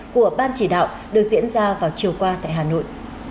của ban chỉ đạo được diễn ra vào chiều qua tại hà nội